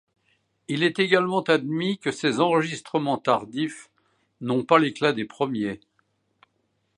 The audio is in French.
Il est également admis que ses enregistrements tardifs n'ont pas l'éclat des premiers.